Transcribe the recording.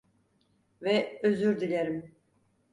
Ve özür dilerim.